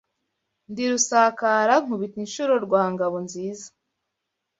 Ndi Rusakara nkubita inshuro rwa Ngabo nziza